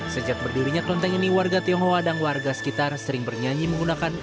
sejak berdirinya kelenteng ini warga tionghoa dan warga sekitar sering bernyanyi menggunakan